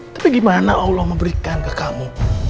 tapi gimana allah memberikan ke kamu